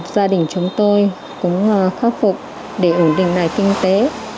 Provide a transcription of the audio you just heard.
gia đình chúng tôi cũng khắc phục để ổn định lại kinh tế